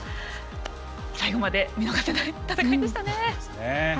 最後まで見逃せない戦いでしたね。